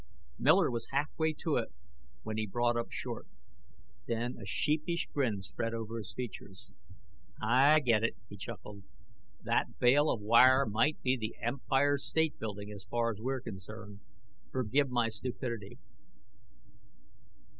Miller was halfway to it when he brought up short. Then a sheepish grin spread over his features. "I get it," he chuckled. "That bale of wire might be the Empire State Building, as far as we're concerned. Forgive my stupidity."